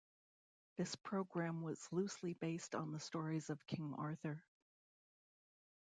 This programme was loosely based on the stories of King Arthur.